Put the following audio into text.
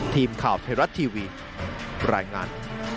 ทีมข่าวเทราะห์ทีวีรายงาน